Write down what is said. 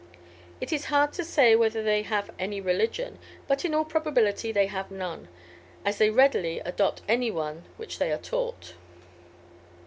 It is hard to say whether they have any religion; but in all probability they have none, as they readily adopt any one which they are taught.